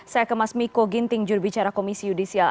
saya ke mas miko ginting jurubicara komisi yudisial